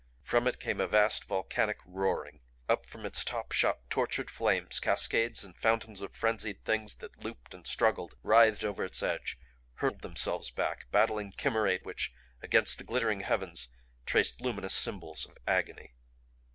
From it came a vast volcanic roaring. Up from its top shot tortured flames, cascades and fountains of frenzied Things that looped and struggled, writhed over its edge, hurled themselves back; battling chimerae which against the glittering heavens traced luminous symbols of agony.